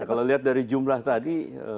kalau lihat dari jumlah tadi